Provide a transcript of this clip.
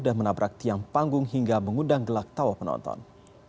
dan menabrak tiang panggung hingga mengundang gelak tawa penonton